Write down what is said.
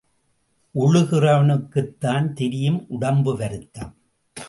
உழுகிறவனுக்குத்தான் தெரியும், உடம்பு வருத்தம்.